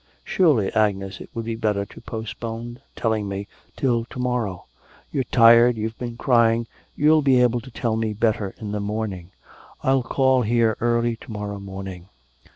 'Surely, Agnes, it would be better to postpone telling me till to morrow, you're tired, you've been crying, you'll be able to tell me better in the morning. I'll call here early to morrow morning.'